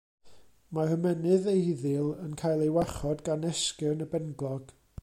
Mae'r ymennydd eiddil yn cael ei warchod gan esgyrn y benglog.